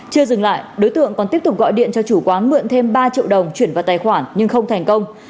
chưa dừng lại đối tượng còn tiếp tục gọi điện cho chủ quán mượn thêm ba triệu đồng chuyển vào tài khoản nhưng không thành công